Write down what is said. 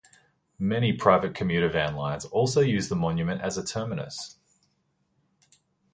Many private commuter van lines also use the monument as a terminus.